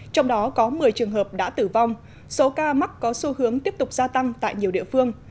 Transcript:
trong đó có một mươi trường hợp đã tử vong số ca mắc có xu hướng tiếp tục gia tăng tại nhiều địa phương